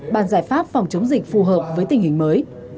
bàn giải pháp phòng chống dịch phù hợp với tình hình mới